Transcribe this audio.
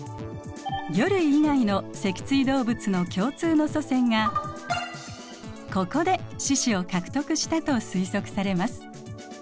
魚類以外の脊椎動物の共通の祖先がここで四肢を獲得したと推測されます。